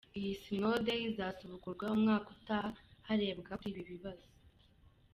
Iyi Synode izasubukurwa umwaka utaha harebwa kuri ibi bibazo.